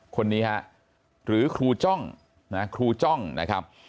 คนนี้ฮะหรือครูจ้องนะครูจ้องนะครับ